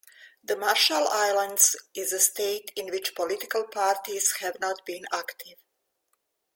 The Marshall Islands is a state in which political parties have not been active.